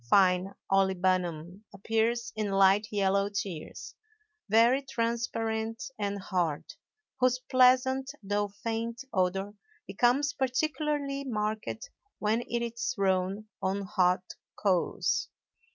Fine olibanum appears in light yellow tears, very transparent and hard, whose pleasant though faint odor becomes particularly marked when it is thrown on hot coals.